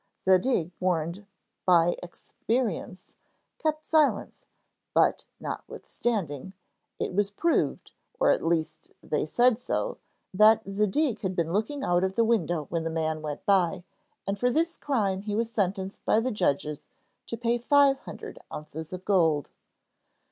Zadig, warned by experience, kept silence; but notwithstanding, it was proved or at least, they said so that Zadig had been looking out of the window when the man went by, and for this crime he was sentenced by the judges to pay five hundred ounces of gold.